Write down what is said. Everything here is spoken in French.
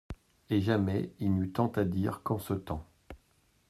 Et jamais il n'y eut tant à dire qu'en ce temps.